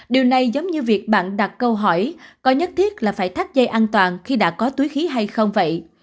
điều này giống như việc bạn đặt câu hỏi có nhất thiết là phải thắt dây an toàn khi đã có túi khí hay không vậy